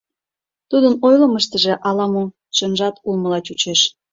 Тудын ойлымаштыже ала-мо чынжат улмыла чучеш.